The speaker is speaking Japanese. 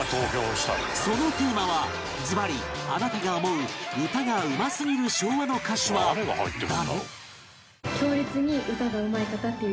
そのテーマはずばりあなたが思う歌がうますぎる昭和の歌手は誰？